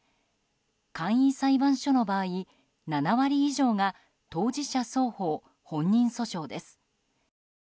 簡易裁判所の場合、７割以上が当時者双方、本人訴訟です。